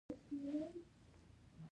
او علت یې له حکومت سره سخته دښمني ده.